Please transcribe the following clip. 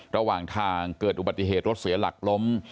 ระหว่างทางเกิดอุบัติเหตุรถเสียหลักล้ม